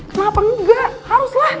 kenapa engga haruslah